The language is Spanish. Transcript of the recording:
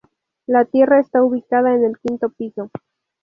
La tierra está ubicada en el quinto piso.